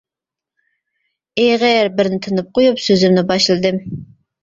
ئېغىر بىرنى تىنىپ قويۇپ سۆزۈمنى باشلىدىم.